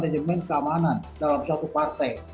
manajemen keamanan dalam suatu partai